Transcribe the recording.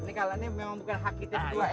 ini memang bukan hak kita semua ya